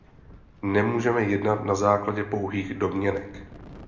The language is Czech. Nemůžeme jednat na základě pouhých domněnek.